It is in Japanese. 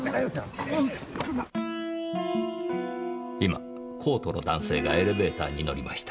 今コートの男性がエレベーターに乗りました。